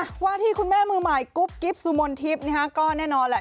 อะว่าที่คุณแม่มือหมายกรุ๊ปกิฟต์สุมนติฟต์เนี่ยฮะก็แน่นอนแหละ